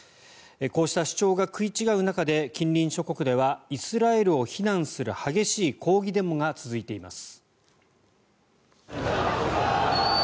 こうした主張が食い違う中で近隣諸国ではイスラエルを非難する激しい抗議デモが続いています。